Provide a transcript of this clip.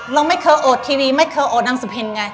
เราไม่เคอดทีวีไม่เคอดนังสปรินทร์ไง